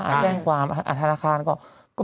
ไปแจ้งความอันธรรคานก่อน